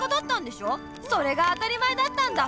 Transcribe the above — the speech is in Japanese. それが当たり前だったんだ。